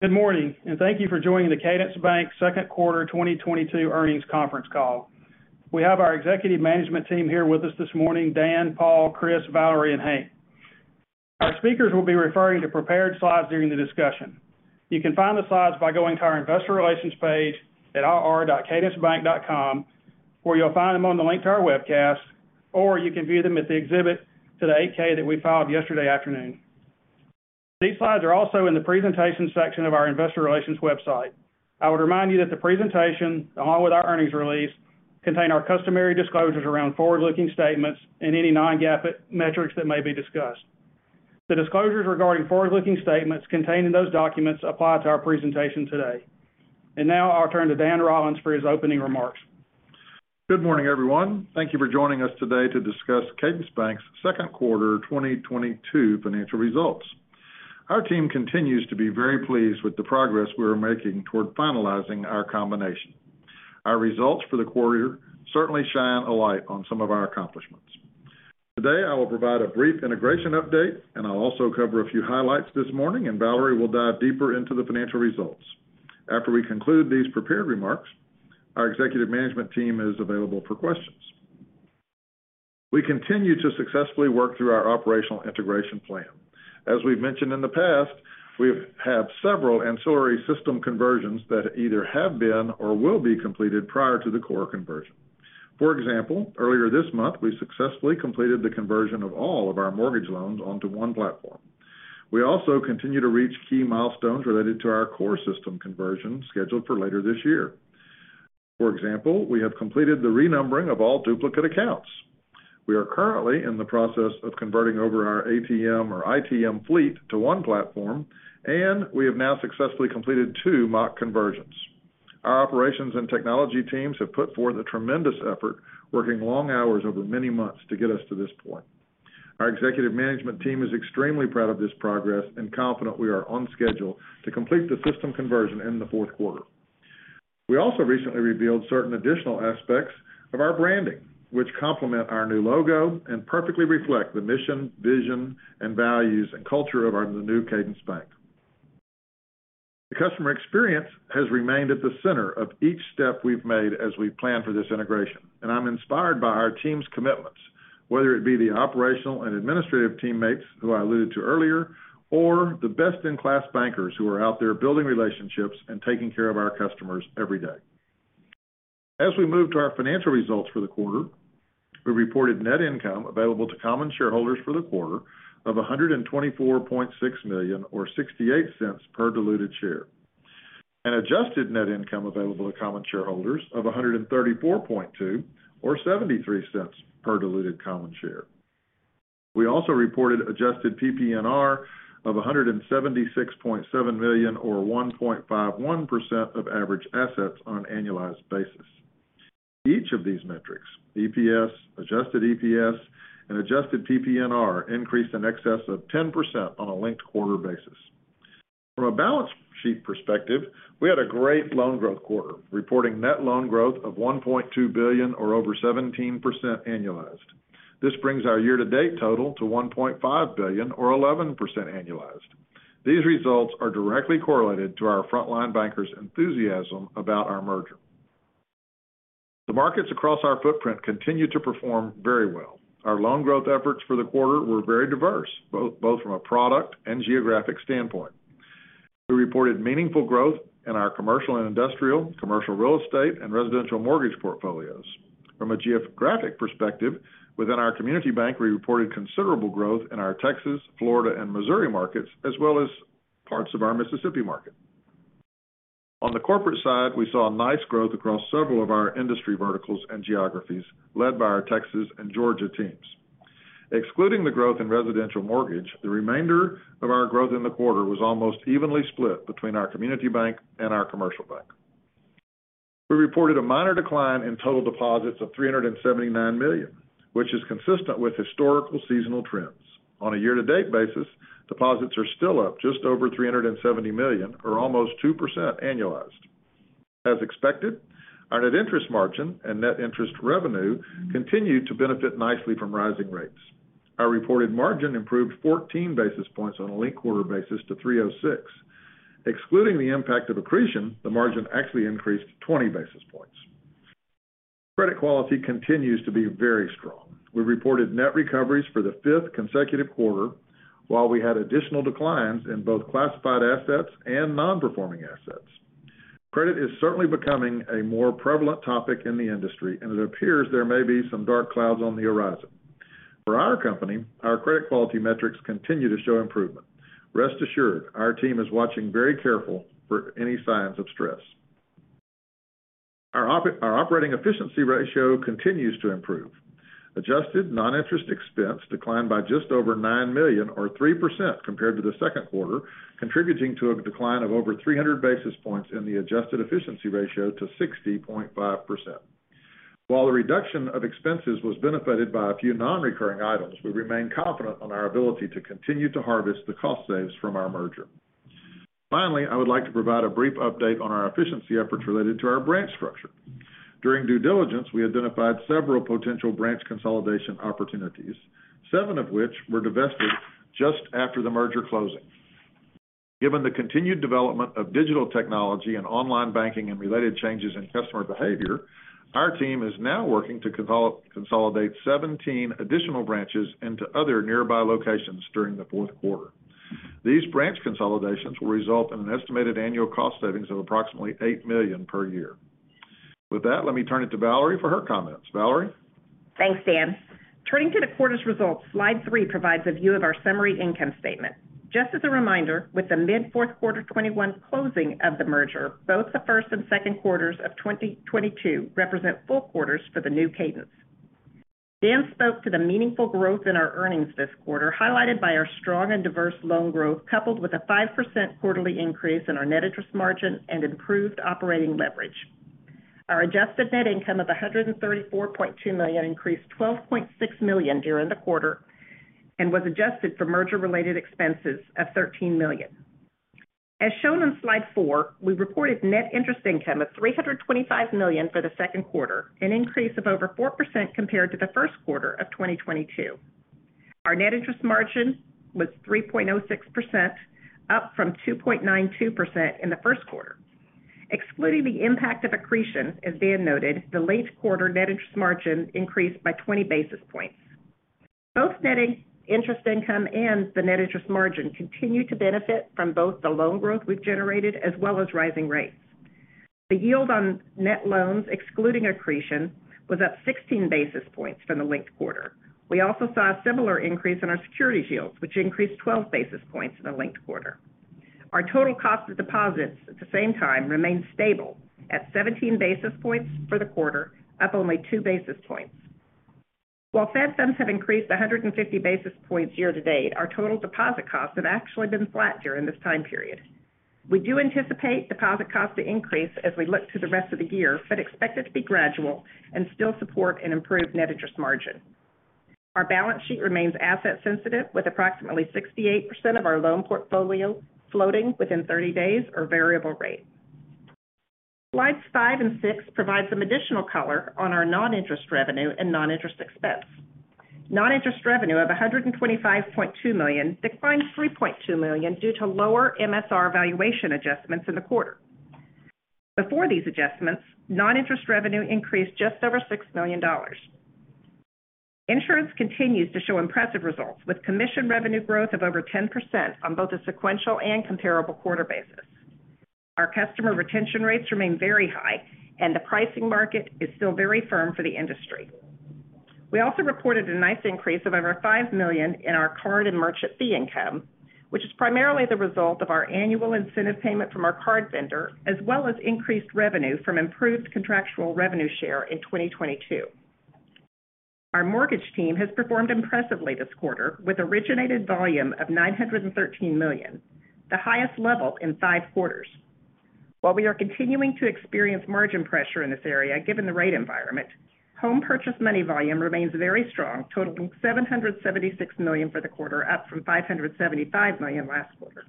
Good morning, and thank you for joining the Cadence Bank second quarter 2022 earnings conference call. We have our executive management team here with us this morning, Dan, Paul, Chris, Valerie, and Hank. Our speakers will be referring to prepared slides during the discussion. You can find the slides by going to our investor relations page at ir.cadencebank.com, or you'll find them on the link to our webcast, or you can view them at the exhibit to the 8-K that we filed yesterday afternoon. These slides are also in the presentations section of our investor relations website. I would remind you that the presentation, along with our earnings release, contain our customary disclosures around forward-looking statements and any non-GAAP metrics that may be discussed. The disclosures regarding forward-looking statements contained in those documents apply to our presentation today. Now I'll turn to Dan Rollins for his opening remarks. Good morning, everyone. Thank you for joining us today to discuss Cadence Bank's second quarter 2022 financial results. Our team continues to be very pleased with the progress we are making toward finalizing our combination. Our results for the quarter certainly shine a light on some of our accomplishments. Today, I will provide a brief integration update, and I'll also cover a few highlights this morning, and Valerie will dive deeper into the financial results. After we conclude these prepared remarks, our executive management team is available for questions. We continue to successfully work through our operational integration plan. As we've mentioned in the past, we've had several ancillary system conversions that either have been or will be completed prior to the core conversion. For example, earlier this month, we successfully completed the conversion of all of our mortgage loans onto one platform. We also continue to reach key milestones related to our core system conversion scheduled for later this year. For example, we have completed the renumbering of all duplicate accounts. We are currently in the process of converting over our ATM or ITM fleet to one platform, and we have now successfully completed two mock conversions. Our operations and technology teams have put forth a tremendous effort working long hours over many months to get us to this point. Our executive management team is extremely proud of this progress and confident we are on schedule to complete the system conversion in the fourth quarter. We also recently revealed certain additional aspects of our branding, which complement our new logo and perfectly reflect the mission, vision, and values and culture of the new Cadence Bank. The customer experience has remained at the center of each step we've made as we plan for this integration, and I'm inspired by our team's commitments, whether it be the operational and administrative teammates who I alluded to earlier, or the best-in-class bankers who are out there building relationships and taking care of our customers every day. As we move to our financial results for the quarter, we reported net income available to common shareholders for the quarter of $124.6 million or $0.68 per diluted share. An adjusted net income available to common shareholders of $134.2 or $0.73 per diluted common share. We also reported adjusted PPNR of $176.7 million or 1.51% of average assets on an annualized basis. Each of these metrics, EPS, adjusted EPS, and adjusted PPNR, increased in excess of 10% on a linked quarter basis. From a balance sheet perspective, we had a great loan growth quarter, reporting net loan growth of $1.2 billion or over 17% annualized. This brings our year-to-date total to $1.5 billion or 11% annualized. These results are directly correlated to our frontline bankers' enthusiasm about our merger. The markets across our footprint continue to perform very well. Our loan growth efforts for the quarter were very diverse, both from a product and geographic standpoint. We reported meaningful growth in our commercial and industrial, commercial real estate, and residential mortgage portfolios. From a geographic perspective, within our community bank, we reported considerable growth in our Texas, Florida, and Missouri markets, as well as parts of our Mississippi market. On the corporate side, we saw a nice growth across several of our industry verticals and geographies led by our Texas and Georgia teams. Excluding the growth in residential mortgage, the remainder of our growth in the quarter was almost evenly split between our community bank and our commercial bank. We reported a minor decline in total deposits of $379 million, which is consistent with historical seasonal trends. On a year-to-date basis, deposits are still up just over $370 million or almost 2% annualized. As expected, our net interest margin and net interest revenue continued to benefit nicely from rising rates. Our reported margin improved 14 basis points on a linked quarter basis to 3.06. Excluding the impact of accretion, the margin actually increased 20 basis points. Credit quality continues to be very strong. We reported net recoveries for the fifth consecutive quarter, while we had additional declines in both classified assets and non-performing assets. Credit is certainly becoming a more prevalent topic in the industry, and it appears there may be some dark clouds on the horizon. For our company, our credit quality metrics continue to show improvement. Rest assured, our team is watching very careful for any signs of stress. Our operating efficiency ratio continues to improve. Adjusted non-interest expense declined by just over $9 million or 3% compared to the second quarter, contributing to a decline of over 300 basis points in the adjusted efficiency ratio to 60.5%. While the reduction of expenses was benefited by a few non-recurring items, we remain confident on our ability to continue to harvest the cost saves from our merger. Finally, I would like to provide a brief update on our efficiency efforts related to our branch structure. During due diligence, we identified several potential branch consolidation opportunities, seven of which were divested just after the merger closing. Given the continued development of digital technology and online banking and related changes in customer behavior, our team is now working to consolidate 17 additional branches into other nearby locations during the fourth quarter. These branch consolidations will result in an estimated annual cost savings of approximately $8 million per year. With that, let me turn it to Valerie for her comments. Valerie? Thanks, Dan. Turning to the quarter's results, slide three provides a view of our summary income statement. Just as a reminder, with the mid fourth quarter 2021 closing of the merger, both the first and second quarters of 2022 represent full quarters for the new Cadence. Dan spoke to the meaningful growth in our earnings this quarter, highlighted by our strong and diverse loan growth, coupled with a 5% quarterly increase in our net interest margin and improved operating leverage. Our adjusted net income of $134.2 million increased $12.6 million during the quarter and was adjusted for merger related expenses of $13 million. As shown on slide four, we reported net interest income of $325 million for the second quarter, an increase of over 4% compared to the first quarter of 2022. Our net interest margin was 3.06%, up from 2.92% in the first quarter. Excluding the impact of accretion, as Dan noted, the linked quarter net interest margin increased by 20 basis points. Both net interest income and the net interest margin continue to benefit from both the loan growth we've generated as well as rising rates. The yield on net loans, excluding accretion, was up 16 basis points from the linked quarter. We also saw a similar increase in our securities yields, which increased 12 basis points in the linked quarter. Our total cost of deposits at the same time remains stable at 17 basis points for the quarter, up only 2 basis points. While Fed funds have increased 150 basis points year to date, our total deposit costs have actually been flat during this time period. We do anticipate deposit costs to increase as we look to the rest of the year, but expect it to be gradual and still support an improved net interest margin. Our balance sheet remains asset sensitive with approximately 68% of our loan portfolio floating within 30 days or variable rate. Slides five and six provide some additional color on our non-interest revenue and non-interest expense. Non-interest revenue of $125.2 million declined $3.2 million due to lower MSR valuation adjustments in the quarter. Before these adjustments, non-interest revenue increased just over $6 million. Insurance continues to show impressive results with commission revenue growth of over 10% on both a sequential and comparable quarter basis. Our customer retention rates remain very high and the pricing market is still very firm for the industry. We also reported a nice increase of over $5 million in our card and merchant fee income, which is primarily the result of our annual incentive payment from our card vendor, as well as increased revenue from improved contractual revenue share in 2022. Our mortgage team has performed impressively this quarter with originated volume of $913 million, the highest level in five quarters. While we are continuing to experience margin pressure in this area, given the rate environment, home purchase money volume remains very strong, totaling $776 million for the quarter, up from $575 million last quarter.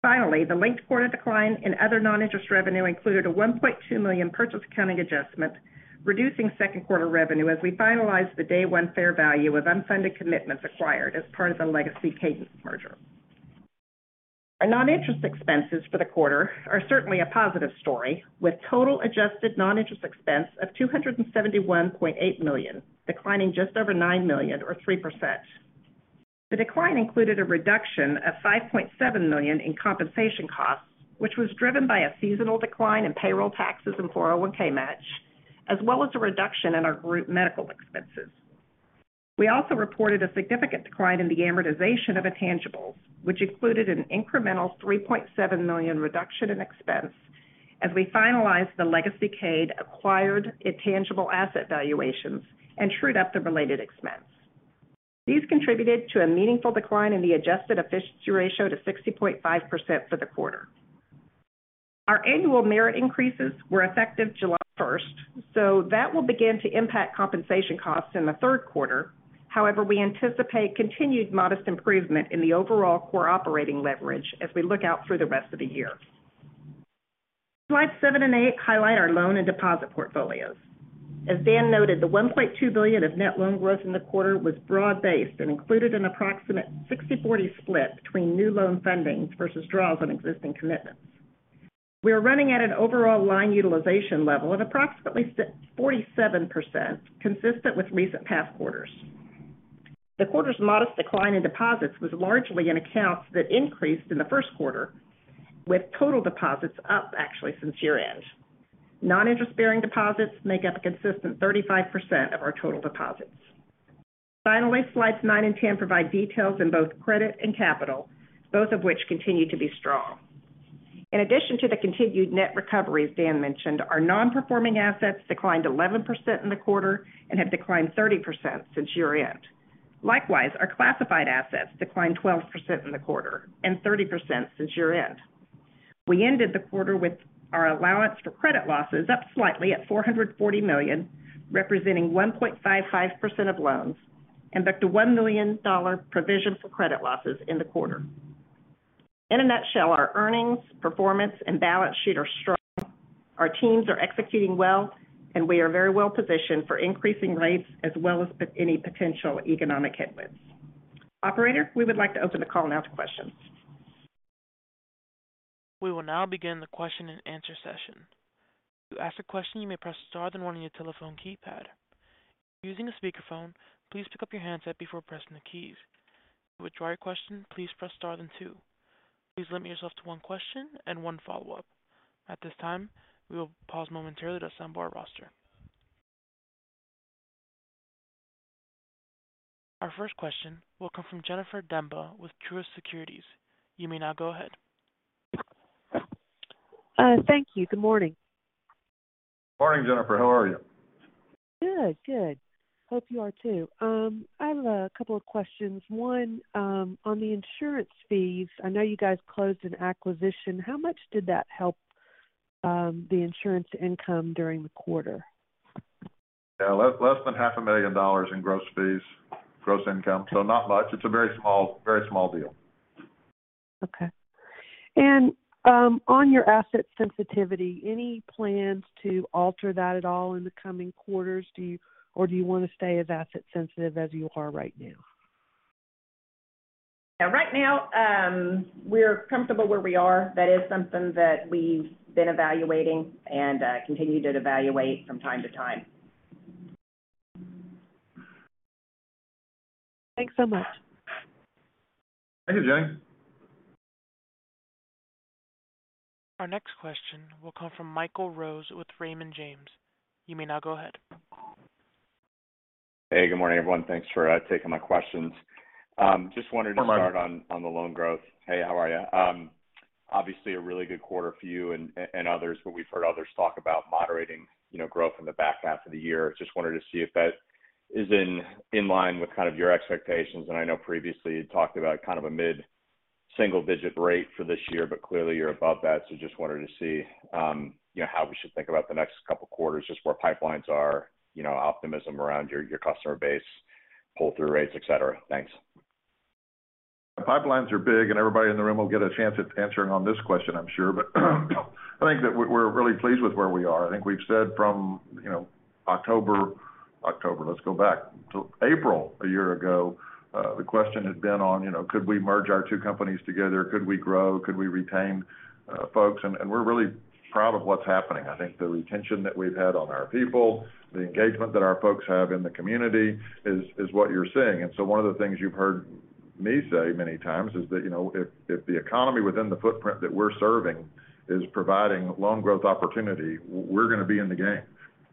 Finally, the linked quarter decline in other non-interest revenue included a $1.2 million purchase accounting adjustment, reducing second quarter revenue as we finalized the day one fair value of unfunded commitments acquired as part of the Legacy Cadence merger. Our non-interest expenses for the quarter are certainly a positive story, with total adjusted non-interest expense of $271.8 million, declining just over $9 million or 3%. The decline included a reduction of $5.7 million in compensation costs, which was driven by a seasonal decline in payroll taxes and 401(k) match, as well as a reduction in our group medical expenses. We also reported a significant decline in the amortization of intangibles, which included an incremental $3.7 million reduction in expense as we finalized the Legacy Cadence acquired intangible asset valuations and trued up the related expense. These contributed to a meaningful decline in the adjusted efficiency ratio to 60.5% for the quarter. Our annual merit increases were effective July 1st, so that will begin to impact compensation costs in the third quarter. However, we anticipate continued modest improvement in the overall core operating leverage as we look out through the rest of the year. Slides seven and eight highlight our loan and deposit portfolios. As Dan noted, the $1.2 billion of net loan growth in the quarter was broad-based and included an approximate 60/40 split between new loan fundings versus draws on existing commitments. We are running at an overall line utilization level of approximately 47%, consistent with recent past quarters. The quarter's modest decline in deposits was largely in accounts that increased in the first quarter, with total deposits up actually since year-end. Non-interest-bearing deposits make up a consistent 35% of our total deposits. Finally, slides nine and 10 provide details in both credit and capital, both of which continue to be strong. In addition to the continued net recoveries Dan mentioned, our non-performing assets declined 11% in the quarter and have declined 30% since year-end. Likewise, our classified assets declined 12% in the quarter and 30% since year-end. We ended the quarter with our allowance for credit losses up slightly at $440 million, representing 1.55% of loans and back to $1 million provision for credit losses in the quarter. In a nutshell, our earnings, performance, and balance sheet are strong. Our teams are executing well, and we are very well positioned for increasing rates as well as any potential economic headwinds. Operator, we would like to open the call now to questions. We will now begin the question-and-answer session. To ask a question, you may press star then one on your telephone keypad. If you're using a speakerphone, please pick up your handset before pressing the keys. To withdraw your question, please press star then two. Please limit yourself to one question and one follow-up. At this time, we will pause momentarily to assemble our roster. Our first question will come from Jennifer Demba with Truist Securities. You may now go ahead. Thank you. Good morning. Morning, Jennifer. How are you? Good. Good. Hope you are too. I have a couple of questions. One, on the insurance fees, I know you guys closed an acquisition. How much did that help, the insurance income during the quarter? Yeah. Less than half a million dollars in gross fees, gross income. Not much. It's a very small deal. Okay. On your asset sensitivity, any plans to alter that at all in the coming quarters? Or do you want to stay as asset sensitive as you are right now? Right now, we're comfortable where we are. That is something that we've been evaluating and continue to evaluate from time to time. Thanks so much. Thank you, Jenny. Our next question will come from Michael Rose with Raymond James. You may now go ahead. Hey, good morning, everyone. Thanks for taking my questions. Just wanted to- Good morning. Start on the loan growth. Hey, how are you? Obviously a really good quarter for you and others. We've heard others talk about moderating, you know, growth in the back half of the year. Just wanted to see if that is in line with kind of your expectations. I know previously you talked about kind of a mid-single digit rate for this year, but clearly you're above that. Just wanted to see, you know, how we should think about the next couple quarters, just where pipelines are, you know, optimism around your customer base, pull-through rates, et cetera. Thanks. Pipelines are big, and everybody in the room will get a chance at answering on this question, I'm sure. I think that we're really pleased with where we are. I think we've said from, you know, October, let's go back. April a year ago, the question had been on, you know, could we merge our two companies together? Could we grow? Could we retain, folks? We're really proud of what's happening. I think the retention that we've had on our people, the engagement that our folks have in the community is what you're seeing. One of the things you've heard me say many times is that, you know, if the economy within the footprint that we're serving is providing loan growth opportunity, we're going to be in the game.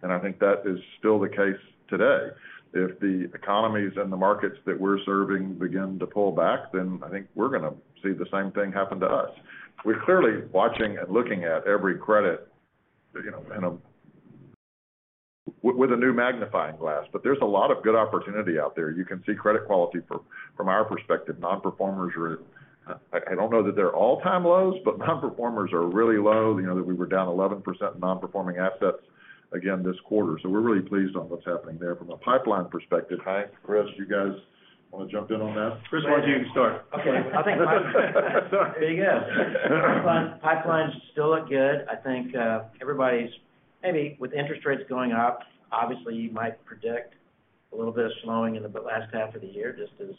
I think that is still the case today. If the economies and the markets that we're serving begin to pull back, then I think we're going to see the same thing happen to us. We're clearly watching and looking at every credit, you know, with a new magnifying glass. But there's a lot of good opportunity out there. You can see credit quality from our perspective, nonperformers are at, I don't know that they're all-time lows, but nonperformers are really low. You know, that we were down 11% nonperforming assets again this quarter. So we're really pleased on what's happening there from a pipeline perspective. Hank, Chris, you guys want to jump in on that? Chris, why don't you start? Okay. I think pipelines still look good. I think everybody's maybe with interest rates going up, obviously, you might predict a little bit of slowing in the last half of the year just as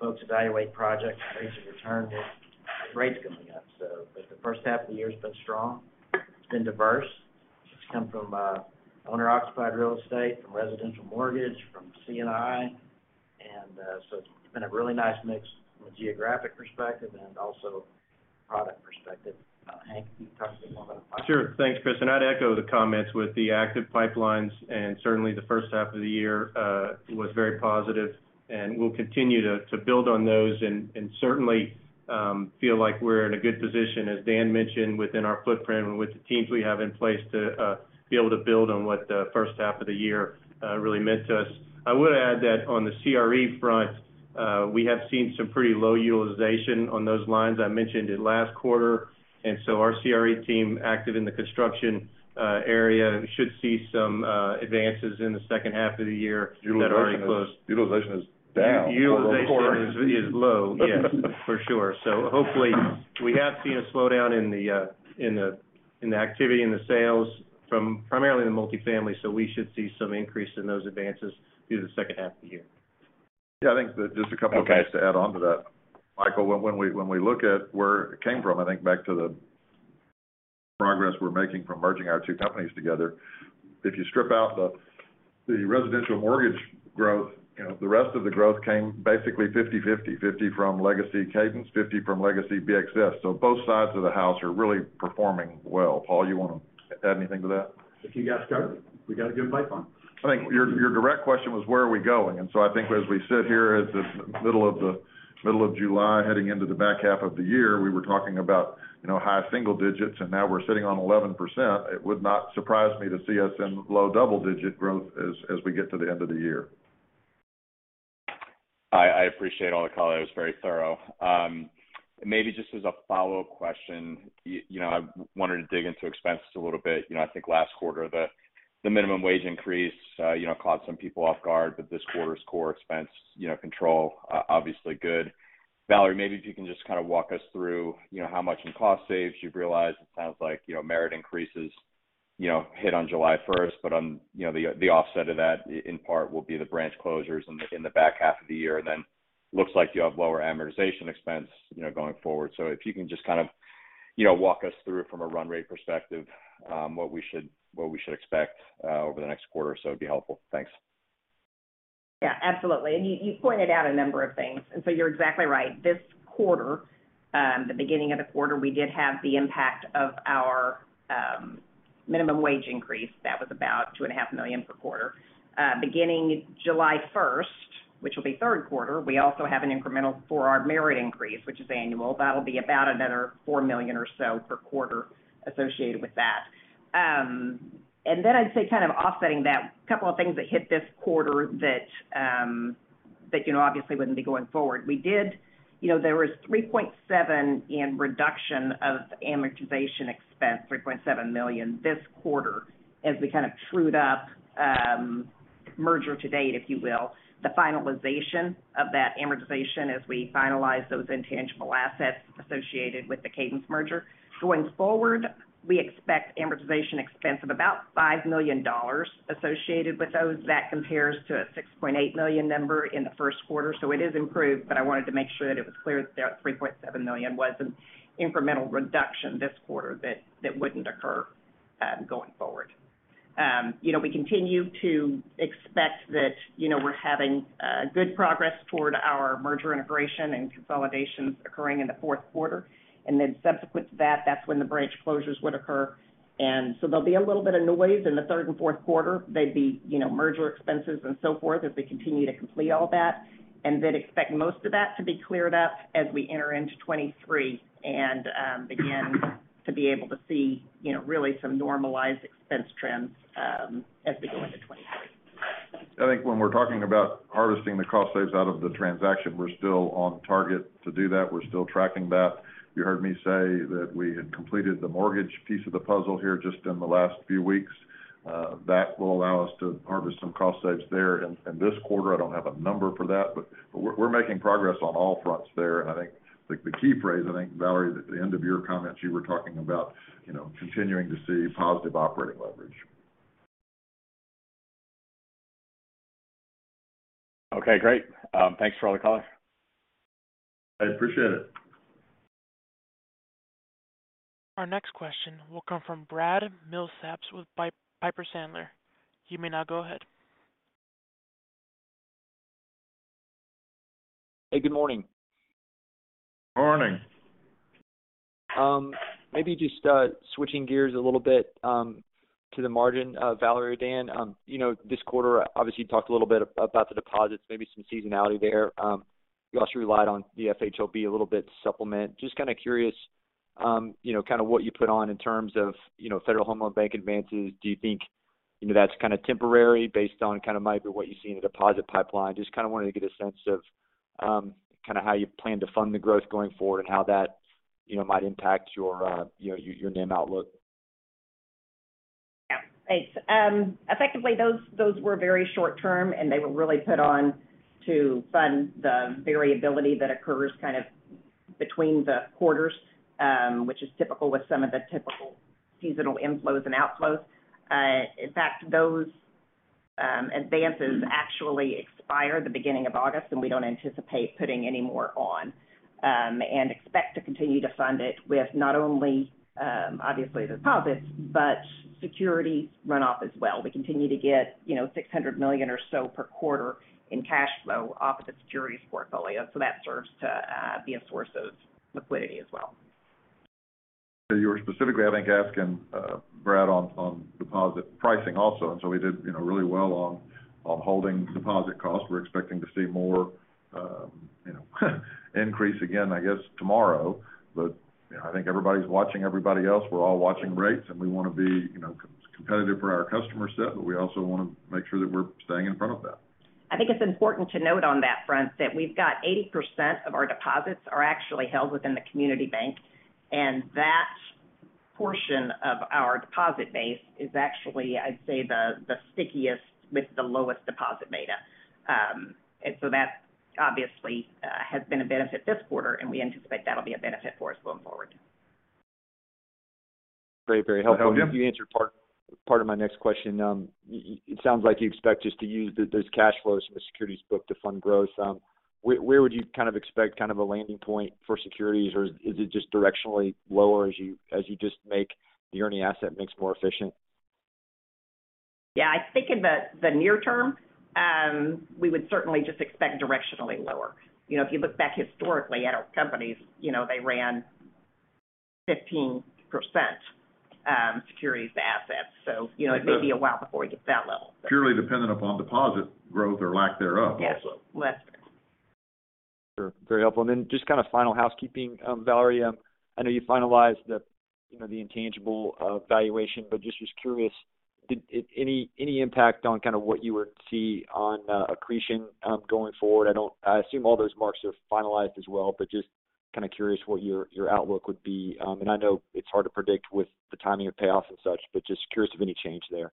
folks evaluate projects and rates of return with rates going up. But the first half of the year has been strong. It's been diverse. It's come from owner-occupied real estate, from residential mortgage, from C&I. So it's been a really nice mix from a geographic perspective and also product perspective. Hank, can you talk to us a little about pipelines? Sure. Thanks, Chris. I'd echo the comments with the active pipelines, and certainly the first half of the year was very positive, and we'll continue to build on those and certainly feel like we're in a good position, as Dan mentioned, within our footprint and with the teams we have in place to be able to build on what the first half of the year really meant to us. I would add that on the CRE front, we have seen some pretty low utilization on those lines. I mentioned it last quarter, and so our CRE team active in the construction area should see some advances in the second half of the year that are already closed. Utilization is down. Utilization is low. Yes, for sure. Hopefully, we have seen a slowdown in the activity in the sales from primarily the multifamily, so we should see some increase in those advances through the second half of the year. Yeah, I think just a couple things to add on to that. Michael, when we look at where it came from, I think back to the progress we're making from merging our two companies together. If you strip out the residential mortgage growth, you know, the rest of the growth came basically 50/50. 50 from legacy Cadence, 50 from legacy BXS. Both sides of the house are really performing well. Paul, you want to add anything to that? If you got started, we got a good pipeline. I think your direct question was where are we going? I think as we sit here at the middle of July, heading into the back half of the year, we were talking about, you know, high single digits, and now we're sitting on 11%. It would not surprise me to see us in low double-digit growth as we get to the end of the year. I appreciate all the color. It was very thorough. Maybe just as a follow-up question, you know, I wanted to dig into expenses a little bit. You know, I think last quarter the minimum wage increase, you know, caught some people off guard, but this quarter's core expense, you know, control, obviously good. Valerie, maybe if you can just kind of walk us through, you know, how much in cost savings you've realized. It sounds like, you know, merit increases, you know, hit on July 1st, but on, you know, the offset of that in part will be the branch closures in the back half of the year. Then looks like you have lower amortization expense, you know, going forward. If you can just kind of, you know, walk us through from a run rate perspective, what we should expect over the next quarter or so, it'd be helpful. Thanks. Yeah, absolutely. You pointed out a number of things. You're exactly right. This quarter, the beginning of the quarter, we did have the impact of our minimum wage increase. That was about $2.5 million per quarter. Beginning July 1st, which will be third quarter, we also have an incremental for our merit increase, which is annual. That'll be about another $4 million or so per quarter associated with that. Then I'd say kind of offsetting that, a couple of things that hit this quarter that you know, obviously wouldn't be going forward. You know, there was $3.7 million in reduction of amortization expense, $3.7 million this quarter as we kind of trued up merger to date, if you will. The finalization of that amortization as we finalize those intangible assets associated with the Cadence merger. Going forward, we expect amortization expense of about $5 million associated with those. That compares to a $6.8 million number in the first quarter. It is improved, but I wanted to make sure that it was clear that that $3.7 million was an incremental reduction this quarter that wouldn't occur going forward. You know, we continue to expect that you know, we're having good progress toward our merger integration and consolidations occurring in the fourth quarter. Subsequent to that's when the branch closures would occur. There'll be a little bit of noise in the third and fourth quarter. They'd be, you know, merger expenses and so forth as we continue to complete all that, and then expect most of that to be cleared up as we enter into 2023 and begin to be able to see, you know, really some normalized expense trends as we go into 2023. I think when we're talking about harvesting the cost saves out of the transaction, we're still on target to do that. We're still tracking that. You heard me say that we had completed the mortgage piece of the puzzle here just in the last few weeks. That will allow us to harvest some cost saves there in this quarter. I don't have a number for that, but we're making progress on all fronts there. I think, like, the key phrase, I think, Valerie, at the end of your comments, you were talking about, you know, continuing to see positive operating leverage. Okay, great. Thanks for all the color. I appreciate it. Our next question will come from Brad Milsaps with Piper Sandler. You may now go ahead. Hey, good morning. Morning. Maybe just switching gears a little bit to the margin, Valerie or Dan. You know, this quarter, obviously you talked a little bit about the deposits, maybe some seasonality there. You also relied on the FHLB a little bit to supplement. Just kind of curious, you know, kind of what you put on in terms of, you know, Federal Home Loan Bank advances. Do you think, you know, that's kind of temporary based on kind of maybe what you see in the deposit pipeline? Just kind of wanted to get a sense of, kind of how you plan to fund the growth going forward and how that, you know, might impact your, you know, your NIM outlook. Yeah. Thanks. Effectively, those were very short-term, and they were really put on to fund the variability that occurs kind of between the quarters, which is typical with some of the typical seasonal inflows and outflows. In fact, those advances actually expire at the beginning of August, and we don't anticipate putting any more on, and expect to continue to fund it with not only, obviously the deposits, but securities runoff as well. We continue to get, you know, $600 million or so per quarter in cash flow off of the securities portfolio. So that serves to be a source of liquidity as well. You were specifically, I think, asking, Brad, on deposit pricing also. We did, you know, really well on holding deposit costs. We're expecting to see more, you know, increase again, I guess, tomorrow. You know, I think everybody's watching everybody else. We're all watching rates, and we want to be, you know, competitive for our customer set, but we also want to make sure that we're staying in front of that. I think it's important to note on that front that we've got 80% of our deposits are actually held within the community bank, and that portion of our deposit base is actually, I'd say, the stickiest with the lowest deposit beta. That obviously has been a benefit this quarter, and we anticipate that'll be a benefit for us going forward. Very, very helpful. That help you? You answered part of my next question. It sounds like you expect just to use those cash flows from the securities book to fund growth. Where would you kind of expect kind of a landing point for securities? Or is it just directionally lower as you just make the earning asset mix more efficient? Yeah. I think in the near term, we would certainly just expect directionally lower. You know, if you look back historically at our companies, you know, they ran 15% securities assets. You know, it may be a while before we get to that level. Purely dependent upon deposit growth or lack thereof also. Yes. Less. Sure. Very helpful. Then just kind of final housekeeping, Valerie. I know you finalized the, you know, the intangible valuation, but just was curious, any impact on kind of what you would see on accretion going forward? I assume all those marks are finalized as well, but just- Kind of curious what your outlook would be. I know it's hard to predict with the timing of payoffs and such, but just curious of any change there.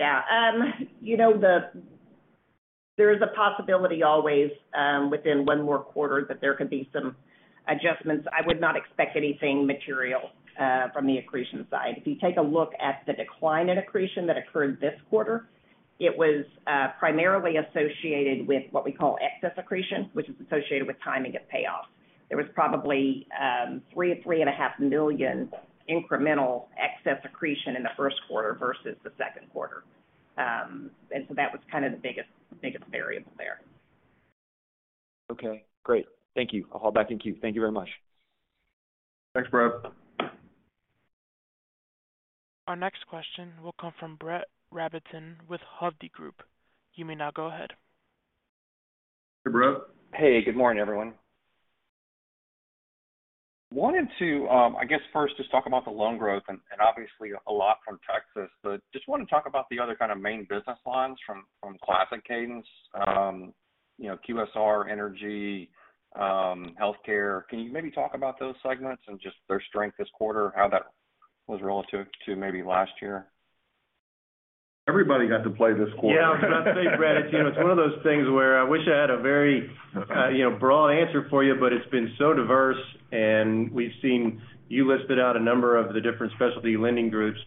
Yeah. You know, there is a possibility always, within one more quarter that there could be some adjustments. I would not expect anything material, from the accretion side. If you take a look at the decline in accretion that occurred this quarter, it was, primarily associated with what we call excess accretion, which is associated with timing of payoffs. There was probably, $3 million-$3.5 million incremental excess accretion in the first quarter versus the second quarter. That was kind of the biggest variable there. Okay, great. Thank you. I'll hop back in queue. Thank you very much. Thanks, bro. Our next question will come from Brett Rabatin with Hovde Group. You may now go ahead. Hey, Brett. Hey, good morning, everyone. Wanted to, I guess first just talk about the loan growth and obviously a lot from Texas, but just want to talk about the other kind of main business lines from Legacy Cadence, you know, QSR, energy, healthcare. Can you maybe talk about those segments and just their strength this quarter, how that was relative to maybe last year? Everybody got to play this quarter. Yeah. I was about to say, Brett, you know, it's one of those things where I wish I had a very, you know, broad answer for you, but it's been so diverse, and we've seen you listed out a number of the different specialty lending groups.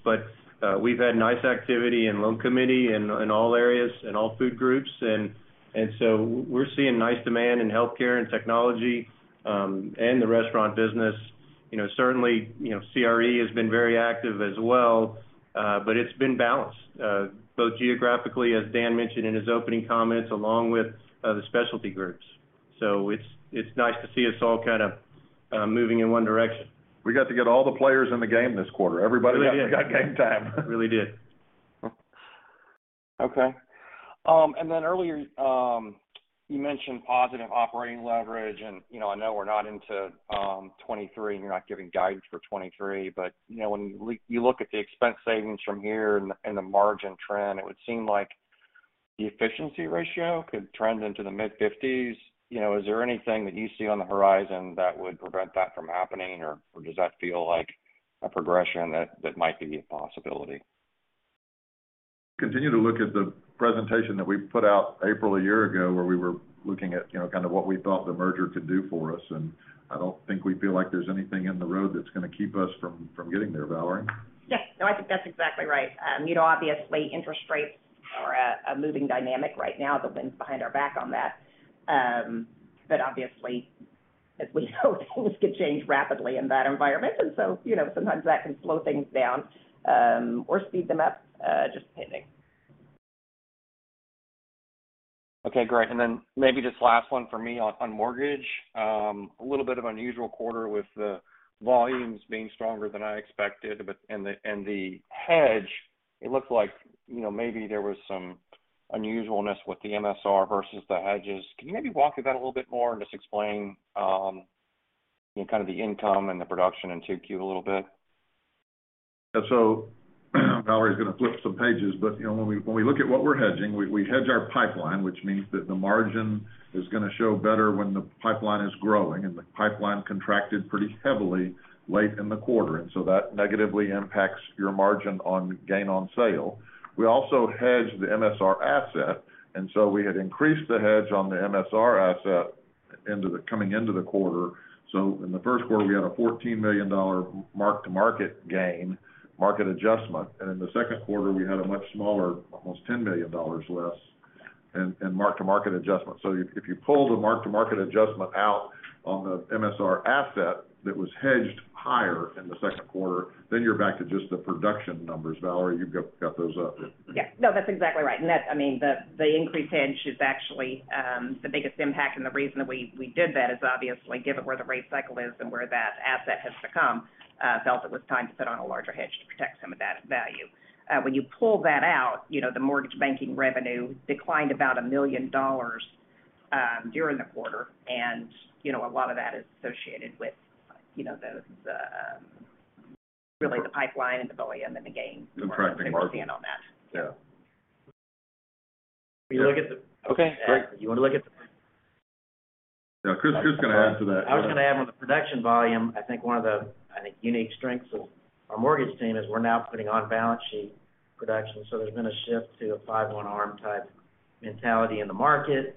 We've had nice activity in loan committee in all areas and all food groups. We're seeing nice demand in healthcare and technology, and the restaurant business. You know, certainly, you know, CRE has been very active as well, but it's been balanced both geographically, as Dan mentioned in his opening comments, along with the specialty groups. It's nice to see us all kind of moving in one direction. We got to get all the players in the game this quarter. We really did. Everybody got game time. Really did. Okay. Earlier, you mentioned positive operating leverage and, you know, I know we're not into 2023 and you're not giving guidance for 2023, but, you know, when you look at the expense savings from here and the margin trend, it would seem like the efficiency ratio could trend into the mid-50s. You know, is there anything that you see on the horizon that would prevent that from happening or does that feel like a progression that might be a possibility? Continue to look at the presentation that we put out April a year ago, where we were looking at, you know, kind of what we thought the merger could do for us. I don't think we feel like there's anything in the road that's gonna keep us from getting there. Valerie? Yes. No, I think that's exactly right. You know, obviously interest rates are a moving dynamic right now. The wind's behind our back on that. But obviously, as we know, things could change rapidly in that environment. You know, sometimes that can slow things down, or speed them up, just depending. Okay, great. Then maybe just last one for me on mortgage. A little bit of unusual quarter with the volumes being stronger than I expected, but, and the hedge, it looked like, you know, maybe there was some unusualness with the MSR versus the hedges. Can you maybe walk me through that a little bit more and just explain, you know, kind of the income and the production in 2Q a little bit? Yeah. Valerie's gonna flip some pages, but, you know, when we look at what we're hedging, we hedge our pipeline, which means that the margin is gonna show better when the pipeline is growing, and the pipeline contracted pretty heavily late in the quarter. That negatively impacts your margin on gain on sale. We also hedge the MSR asset, and we had increased the hedge on the MSR asset into the quarter. In the first quarter, we had a $14 million mark-to-market gain, market adjustment. In the second quarter, we had a much smaller, almost $10 million less in mark-to-market adjustment. If you pull the mark-to-market adjustment out on the MSR asset that was hedged higher in the second quarter, then you're back to just the production numbers. Valerie, you've got those up. Yeah. No, that's exactly right. That's, I mean, the increased hedge is actually the biggest impact. The reason that we did that is obviously given where the rate cycle is and where that asset has become. We felt it was time to put on a larger hedge to protect some of that value. When you pull that out, you know, the mortgage banking revenue declined about $1 million during the quarter. You know, a lot of that is associated with the really the pipeline and the volume and the gain. Contracting market Where we stand on that. Yeah. You look at the- Okay, great. You wanna look at the. Yeah. Chris can add to that. I was gonna add on the production volume. I think one of the, I think, unique strengths of our mortgage team is we're now putting on balance sheet production. There's been a shift to a 5/1 ARM type mentality in the market.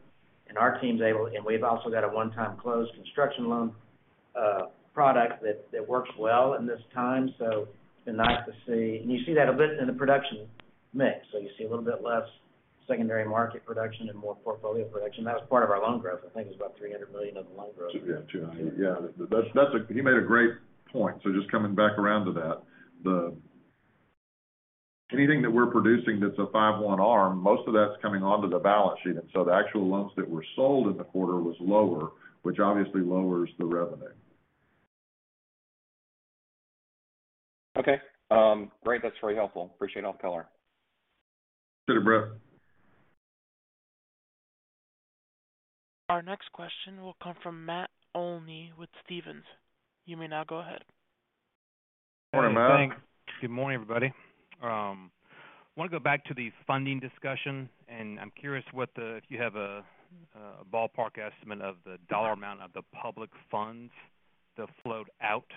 We've also got a One-Time Close Construction Loan product that works well in this time. It's been nice to see. You see that a bit in the production mix. You see a little bit less secondary market production and more portfolio production. That was part of our loan growth. I think it was about $300 million of the loan growth. Yeah, 2.9. Yeah. That's a great point. Just coming back around to that. Anything that we're producing that's a 5/1 ARM, most of that's coming onto the balance sheet. The actual loans that were sold in the quarter was lower, which obviously lowers the revenue. Okay. Great. That's very helpful. Appreciate all the color. Sure, Brett. Our next question will come from Matt Olney with Stephens. You may now go ahead. Morning, Matt. Thanks. Good morning, everybody. Want to go back to the funding discussion, and I'm curious what if you have a ballpark estimate of the dollar amount of the public funds that flowed out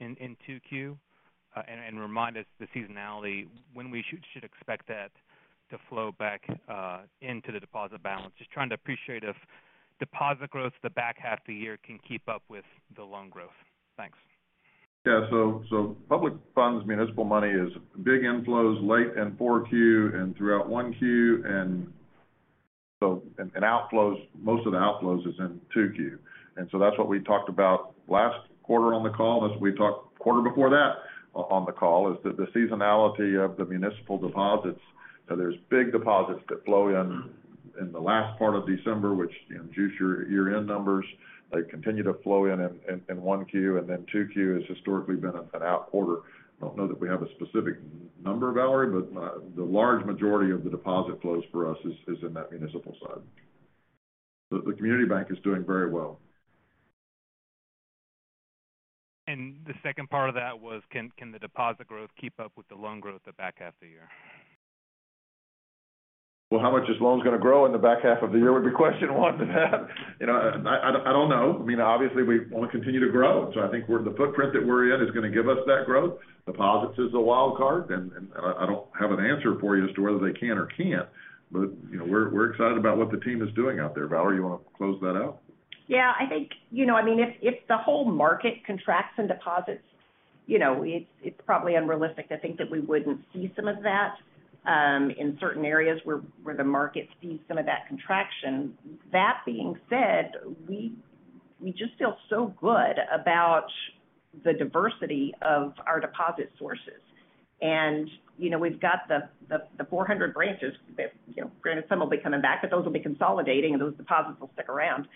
in 2Q. Remind us the seasonality when we should expect that to flow back into the deposit balance. Just trying to appreciate if deposit growth in the back half of the year can keep up with the loan growth. Thanks. Yeah. Public funds, municipal money is big inflows late in 4Q and throughout 1Q, and outflows, most of the outflows is in 2Q. That's what we talked about last quarter on the call, as we talked quarter before that on the call, is that the seasonality of the municipal deposits, there's big deposits that flow in in the last part of December, which, you know, juice your end numbers. They continue to flow in 1Q, and then 2Q has historically been an out quarter. I don't know that we have a specific number, Valerie, but the large majority of the deposit flows for us is in that municipal side. The community bank is doing very well. The second part of that was, can the deposit growth keep up with the loan growth the back half of the year? Well, how much is loans going to grow in the back half of the year would be question one to that. You know, I don't know. I mean, obviously, we want to continue to grow, so I think the footprint that we're in is going to give us that growth. Deposits is the wild card, and I don't have an answer for you as to whether they can or can't. You know, we're excited about what the team is doing out there. Valerie, you want to close that out? Yeah. I think, you know, I mean, if the whole market contracts in deposits, you know, it's probably unrealistic to think that we wouldn't see some of that in certain areas where the market sees some of that contraction. That being said, we just feel so good about the diversity of our deposit sources. You know, we've got the 400 branches that, you know, granted some will be coming back, but those will be consolidating, and those deposits will stick around.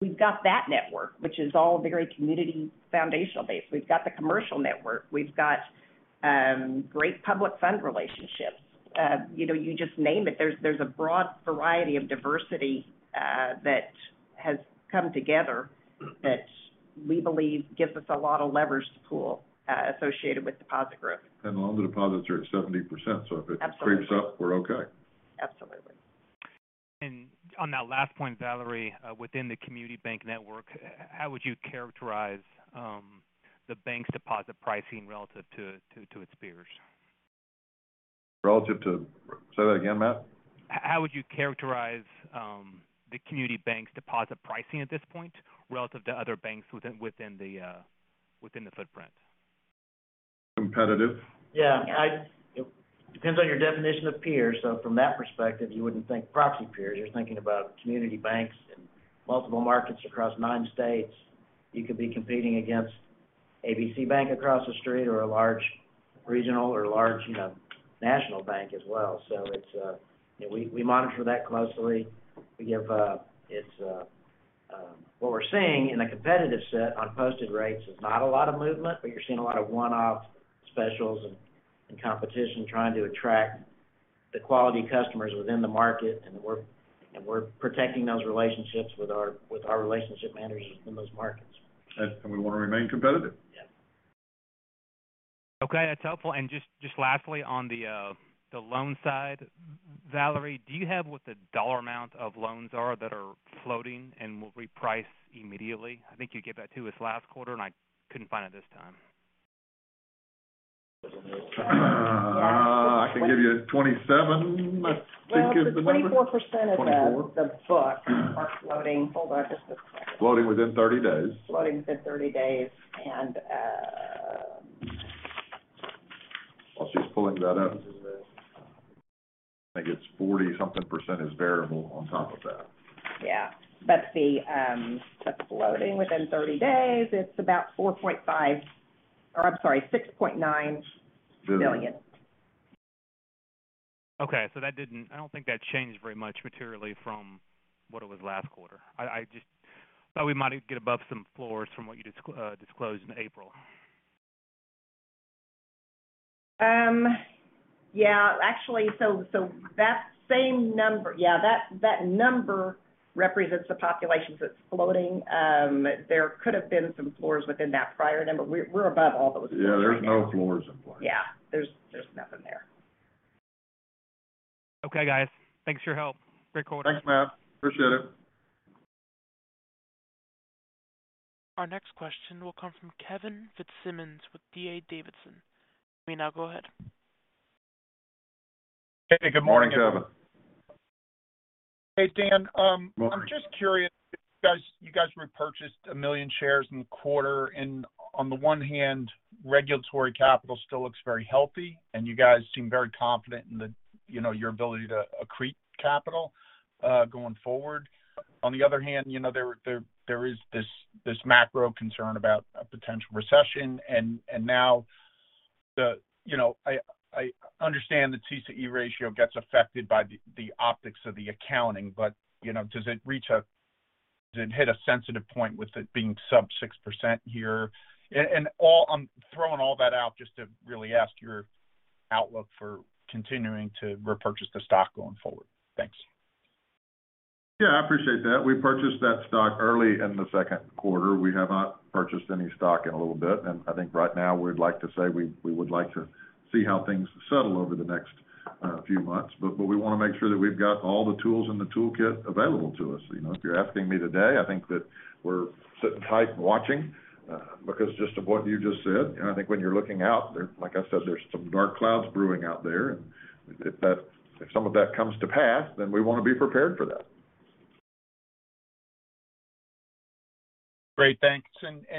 We've got that network, which is all very community foundational base. We've got the commercial network. We've got great public fund relationships. You know, you just name it. There's a broad variety of diversity that has come together that we believe gives us a lot of leverage to pool associated with deposit growth. A lot of the deposits are at 70%, so if it Absolutely. Creeps up, we're okay. Absolutely. On that last point, Valerie, within the community bank network, how would you characterize the bank's deposit pricing relative to its peers? Say that again, Matt. How would you characterize the community bank's deposit pricing at this point relative to other banks within the footprint? Competitive. Yeah. Depends on your definition of peers. From that perspective, you wouldn't think proxy peers. You're thinking about community banks in multiple markets across nine states. You could be competing against ABC Bank across the street or a large regional or, you know, national bank as well. It's, you know, we monitor that closely. What we're seeing in the competitive set on posted rates is not a lot of movement, but you're seeing a lot of one-off specials and competition trying to attract the quality customers within the market, and we're protecting those relationships with our relationship managers in those markets. We want to remain competitive. Yeah. Okay, that's helpful. Just lastly on the loan side, Valerie, do you have what the dollar amount of loans are that are floating and will reprice immediately? I think you gave that to us last quarter, and I couldn't find it this time. I can give you 27, I think is the number. Well, the 24% of the 24. Hold on just a second. Floating within 30 days. Floating within 30 days. While she's pulling that up, I think it's 40-something% is variable on top of that. That's floating within 30 days. It's about $6.9 billion. Okay. I don't think that changed very much materially from what it was last quarter. I just thought we might get above some floors from what you disclosed in April. Yeah. Actually, that same number, yeah, that number represents the populations that's floating. There could have been some floors within that prior number. We're above all those. Yeah, there's no floors in place. Yeah. There's nothing there. Okay, guys. Thanks for your help. Great quarter. Thanks, Matt. Appreciate it. Our next question will come from Kevin Fitzsimmons with D.A. Davidson. You may now go ahead. Hey, good morning, Kevin. Good morning. Hey, Dan. I'm just curious because you guys repurchased 1 million shares in the quarter. On the one hand, regulatory capital still looks very healthy, and you guys seem very confident in the, you know, your ability to accrete capital, going forward. On the other hand, you know, there is this macro concern about a potential recession. Now the, you know, I understand the TCE ratio gets affected by the optics of the accounting, but, you know, does it hit a sensitive point with it being sub 6% here? I'm throwing all that out just to really ask your outlook for continuing to repurchase the stock going forward. Thanks. Yeah, I appreciate that. We purchased that stock early in the second quarter. We have not purchased any stock in a little bit. I think right now we'd like to say we would like to see how things settle over the next few months. We want to make sure that we've got all the tools in the toolkit available to us. You know, if you're asking me today, I think that we're sitting tight and watching because just of what you just said, and I think when you're looking out there, like I said, there's some dark clouds brewing out there. If some of that comes to pass, then we want to be prepared for that. Great. Thanks.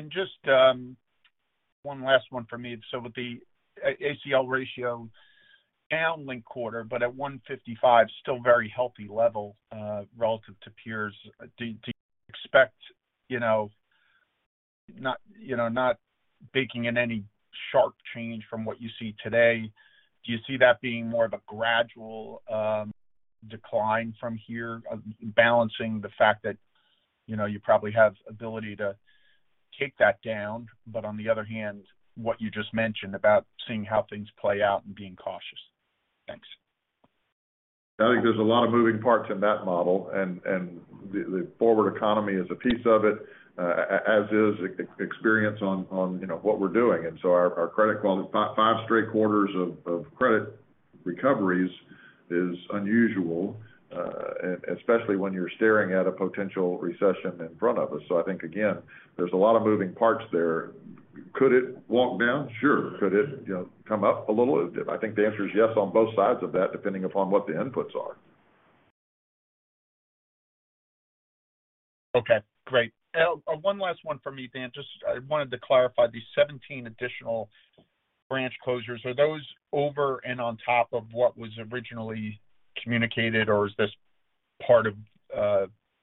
Just one last one for me. With the ACL ratio down linked quarter, but at 155, still very healthy level relative to peers. Do you expect, you know, not baking in any sharp change from what you see today? Do you see that being more of a gradual decline from here of balancing the fact that, you know, you probably have ability to take that down. On the other hand, what you just mentioned about seeing how things play out and being cautious. Thanks. I think there's a lot of moving parts in that model and the forward economy is a piece of it, as is experience on, you know, what we're doing. Our credit quality, five straight quarters of credit recoveries is unusual, especially when you're staring at a potential recession in front of us. I think, again, there's a lot of moving parts there. Could it walk down? Sure. Could it, you know, come up a little? I think the answer is yes on both sides of that, depending upon what the inputs are. Okay, great. One last one for me, Dan. Just I wanted to clarify, these 17 additional branch closures, are those over and on top of what was originally communicated, or is this part of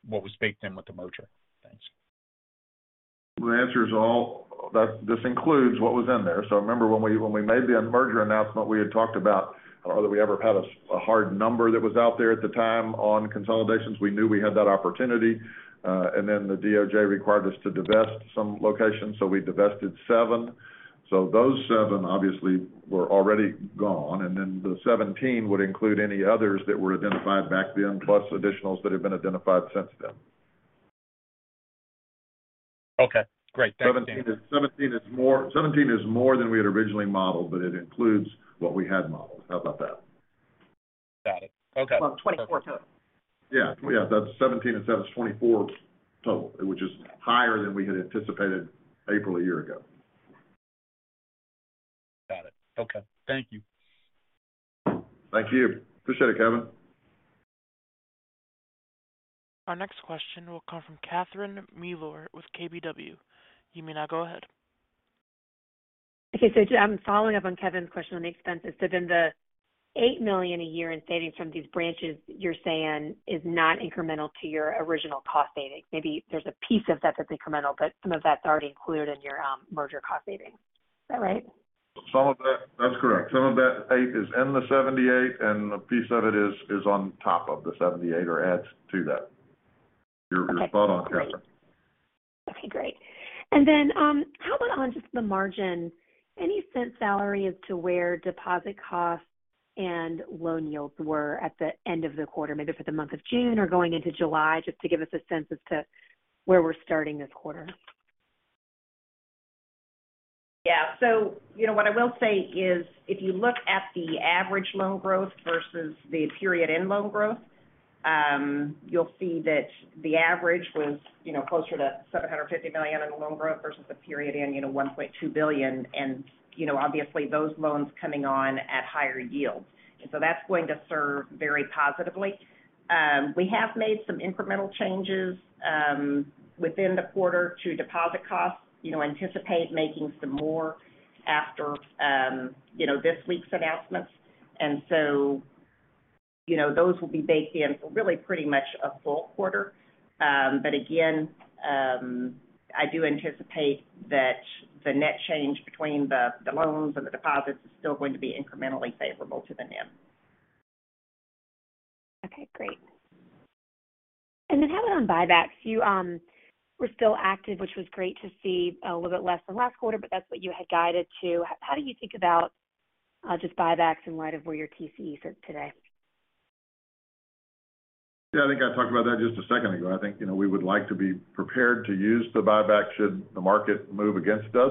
what was baked in with the merger? Thanks. The answer is all that this includes what was in there. Remember when we made the merger announcement, we had talked about whether we ever had a hard number that was out there at the time on consolidations. We knew we had that opportunity, and then the DOJ required us to divest some locations, so we divested seven. Those seven obviously were already gone, and then the 17 would include any others that were identified back then, plus additionals that have been identified since then. Okay, great. Thank you. 17 is more than we had originally modeled, but it includes what we had modeled. How about that? Got it. Okay. Well, 24 total. Yeah. That's 17 and seven is 24 total, which is higher than we had anticipated April a year ago. Got it. Okay. Thank you. Thank you. Appreciate it, Kevin. Our next question will come from Catherine Mealor with KBW. You may now go ahead. Okay, just, I'm following up on Kevin's question on the expenses. The $8 million a year in savings from these branches you're saying is not incremental to your original cost savings. Maybe there's a piece of that that's incremental, but some of that's already included in your merger cost savings. Is that right? Some of that. That's correct. Some of that eight is in the 78, and a piece of it is on top of the 78, or adds to that. Okay. You're spot on, Catherine. Okay, great. How about on just the margin? Any sense, Valerie, as to where deposit costs and loan yields were at the end of the quarter, maybe for the month of June or going into July, just to give us a sense as to where we're starting this quarter? Yeah. You know, what I will say is if you look at the average loan growth versus the period-end loan growth, you'll see that the average was, you know, closer to $750 million in the loan growth versus the period-end, you know, $1.2 billion. You know, obviously those loans coming on at higher yields. That's going to serve very positively. We have made some incremental changes, within the quarter to deposit costs. You know, anticipate making some more after, you know, this week's announcements. You know, those will be baked in for really pretty much a full quarter. Again, I do anticipate that the net change between the loans and the deposits is still going to be incrementally favorable to the NIM. Okay, great. How about on buybacks? You were still active, which was great to see a little bit less than last quarter, but that's what you had guided to. How do you think about just buybacks in light of where your TCE sits today? Yeah, I think I talked about that just a second ago. I think, you know, we would like to be prepared to use the buyback should the market move against us.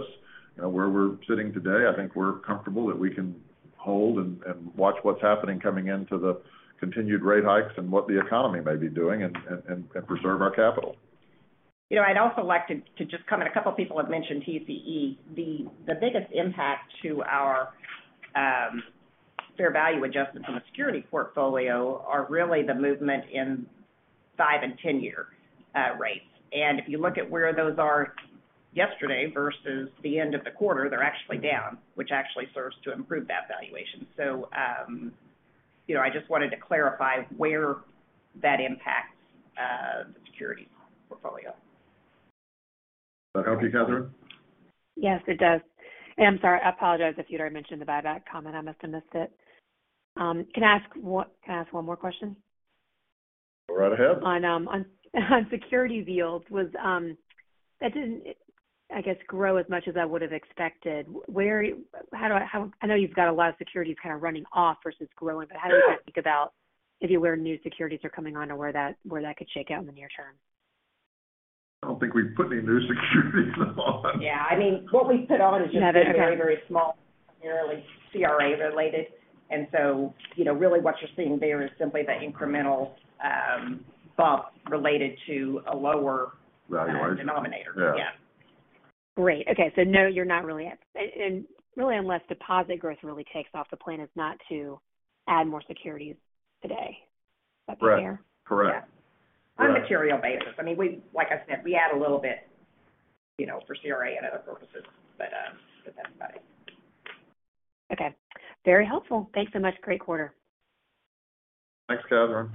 You know, where we're sitting today, I think we're comfortable that we can hold and watch what's happening coming into the continued rate hikes and what the economy may be doing and preserve our capital. You know, I'd also like to just comment. A couple people have mentioned TCE. The biggest impact to our fair value adjustment on the security portfolio are really the movement in five and 10-year rates. If you look at where those are yesterday versus the end of the quarter, they're actually down, which actually serves to improve that valuation. You know, I just wanted to clarify where that impacts the security portfolio. Does that help you, Catherine? Yes, it does. I'm sorry, I apologize if you'd already mentioned the buyback comment. I must have missed it. Can I ask one more question? Go right ahead. On security yields. That didn't, I guess, grow as much as I would have expected. I know you've got a lot of securities kind of running off versus growing, but how do you think about where new securities are coming on or where that could shake out in the near term? I don't think we've put any new securities on. Yeah, I mean, what we've put on is just very, very small, primarily CRA related. You know, really what you're seeing there is simply the incremental, bump related to a lower- Valuation. -denominator. Yeah. Yeah. Great. Okay. No, you're not really, and really, unless deposit growth really takes off, the plan is not to add more securities today. Does that sound fair? Right. Correct. Yeah. On a material basis, I mean, like I said, we add a little bit, you know, for CRA and other purposes, but that's about it. Okay. Very helpful. Thanks so much. Great quarter. Thanks, Catherine.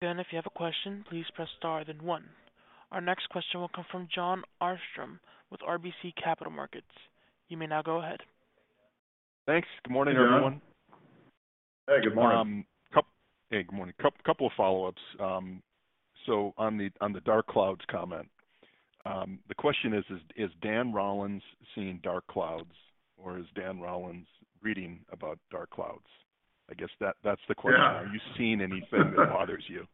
Again, if you have a question, please press star then one. Our next question will come from Jon Arfstrom with RBC Capital Markets. You may now go ahead. Thanks. Good morning, everyone. Hey, Jon. Hey, good morning. Hey, good morning. Couple of follow-ups. So on the dark clouds comment, the question is Dan Rollins seeing dark clouds, or is Dan Rollins reading about dark clouds? I guess that's the question. Yeah. Are you seeing anything that bothers you?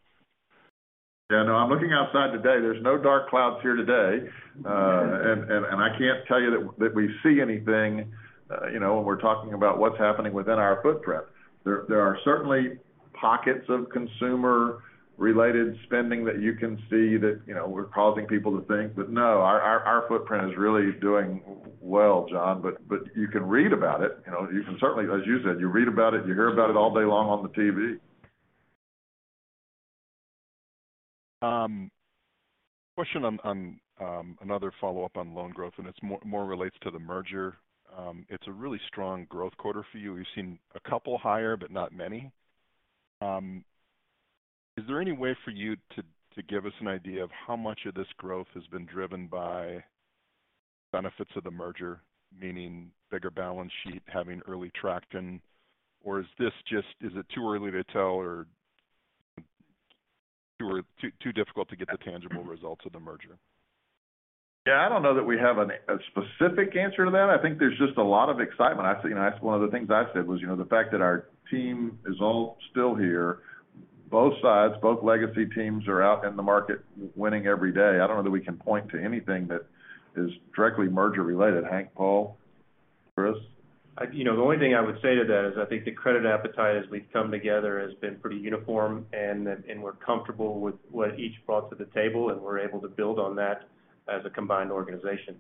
Yeah, no. I'm looking outside today. There's no dark clouds here today. And I can't tell you that we see anything, you know, when we're talking about what's happening within our footprint. There are certainly pockets of consumer-related spending that you can see that, you know, we're causing people to think. But no, our footprint is really doing well, Jon. But you can read about it. You know, you can certainly, as you said, you read about it, you hear about it all day long on the TV. Question on another follow-up on loan growth, and it's more relates to the merger. It's a really strong growth quarter for you. We've seen a couple higher, but not many. Is there any way for you to give us an idea of how much of this growth has been driven by benefits of the merger, meaning bigger balance sheet, having early traction? Or is it too early to tell or too difficult to get the tangible results of the merger? Yeah, I don't know that we have a specific answer to that. I think there's just a lot of excitement. I've seen. That's one of the things I said was, you know, the fact that our team is all still here, both sides, both legacy teams are out in the market winning every day. I don't know that we can point to anything that is directly merger-related. Hank, Paul, Chris? You know, the only thing I would say to that is I think the credit appetite as we've come together has been pretty uniform, and we're comfortable with what each brought to the table, and we're able to build on that as a combined organization.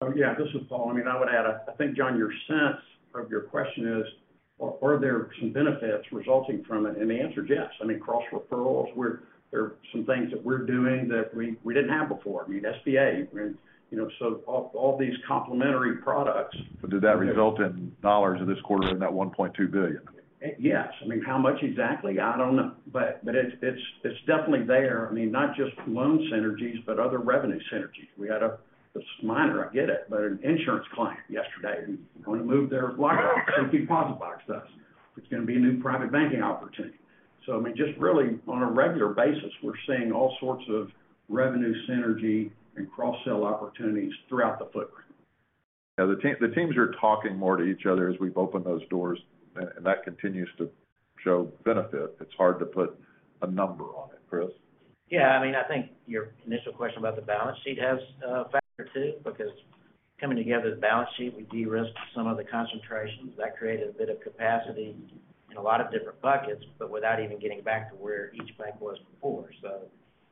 Oh, yeah. This is Paul. I mean, I would add, I think, Jon, your sense of your question is, are there some benefits resulting from it? The answer is yes. I mean, cross referrals, there are some things that we're doing that we didn't have before. I mean, SBA, I mean, you know, so all these complementary products. Did that result in dollars in this quarter in that $1.2 billion? Yes. I mean, how much exactly? I don't know. It's definitely there. I mean, not just loan synergies, but other revenue synergies. We had this is minor, I get it, but an insurance client yesterday who want to move their block of deposit box to us. It's going to be a new private banking opportunity. I mean, just really on a regular basis, we're seeing all sorts of revenue synergy and cross-sell opportunities throughout the footprint. Yeah. The team, the teams are talking more to each other as we've opened those doors, and that continues to show benefit. It's hard to put a number on it. Chris? Yeah. I mean, I think your initial question about the balance sheet has a factor too, because coming together as a balance sheet, we de-risked some of the concentrations. That created a bit of capacity in a lot of different buckets, but without even getting back to where each bank was before.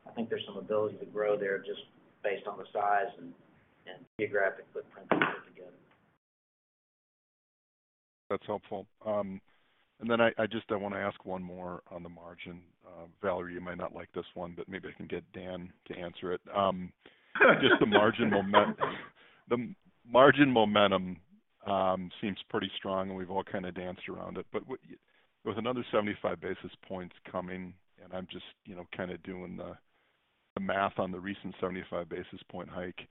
I think there's some ability to grow there just based on the size and geographic footprint put together. That's helpful. I just want to ask one more on the margin. Valerie, you might not like this one, but maybe I can get Dan to answer it. Just the margin momentum seems pretty strong, and we've all kind of danced around it. But with another 75 basis points coming, and I'm just, you know, kind of doing the math on the recent 75 basis point hike,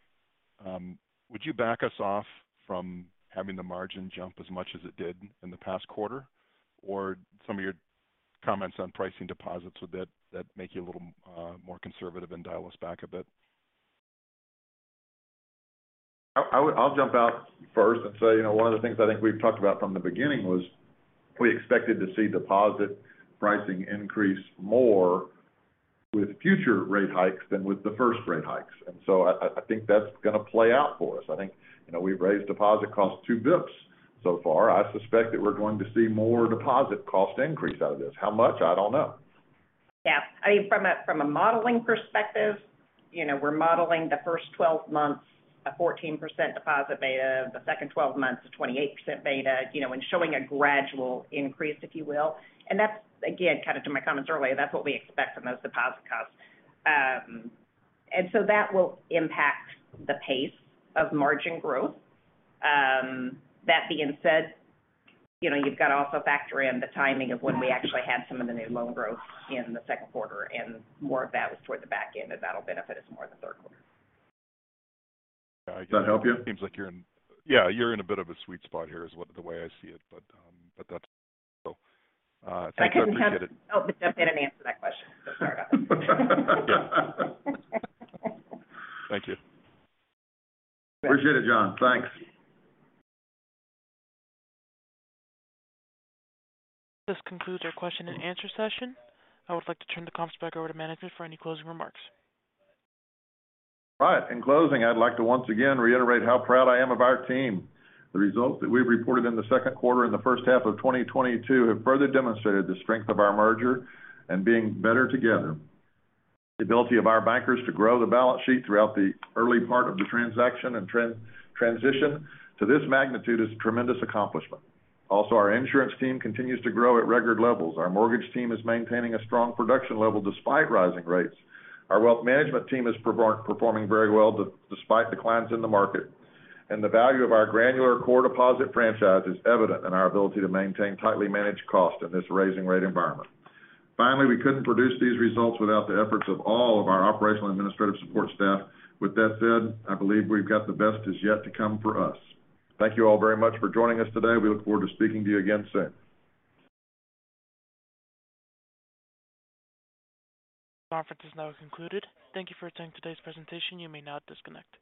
would you back us off from having the margin jump as much as it did in the past quarter? Or some of your comments on pricing deposits, would that make you a little more conservative and dial us back a bit? I'll jump out first and say, you know, one of the things I think we've talked about from the beginning was we expected to see deposit pricing increase more with future rate hikes than with the first rate hikes. I think that's going to play out for us. I think, you know, we've raised deposit costs 2 basis points so far. I suspect that we're going to see more deposit cost increase out of this. How much? I don't know. Yeah. I mean, from a modeling perspective, you know, we're modeling the first 12 months, a 14% deposit beta, the second 12 months, a 28% beta, you know, and showing a gradual increase, if you will. That's again, kind of to my comments earlier, that's what we expect from those deposit costs. That will impact the pace of margin growth. That being said, you know, you've got to also factor in the timing of when we actually had some of the new loan growth in the second quarter, and more of that was toward the back end, and that'll benefit us more in the third quarter. Does that help you? Yeah. You're in a bit of a sweet spot here, the way I see it. That's all. I can have- I appreciate it. Oh, Jeff didn't answer that question. Sorry about that. Thank you. Appreciate it, Jon Arfstrom. Thanks. This concludes our question and answer session. I would like to turn the conference back over to management for any closing remarks. In closing, I'd like to once again reiterate how proud I am of our team. The results that we've reported in the second quarter and the first half of 2022 have further demonstrated the strength of our merger and being better together. The ability of our bankers to grow the balance sheet throughout the early part of the transaction and transition to this magnitude is a tremendous accomplishment. Also, our insurance team continues to grow at record levels. Our mortgage team is maintaining a strong production level despite rising rates. Our wealth management team is performing very well despite the clients in the market. The value of our granular core deposit franchise is evident in our ability to maintain tightly managed cost in this rising rate environment. Finally, we couldn't produce these results without the efforts of all of our operational and administrative support staff. With that said, I believe the best is yet to come for us. Thank you all very much for joining us today. We look forward to speaking to you again soon. Conference is now concluded. Thank you for attending today's presentation. You may now disconnect.